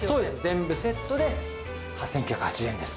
全部セットで８９８０円です。